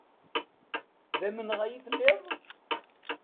D amenɣay i telliḍ?